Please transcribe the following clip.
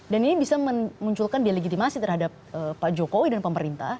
dan ini bisa menunjukkan delegitimasi terhadap pak jokowi dan pemerintah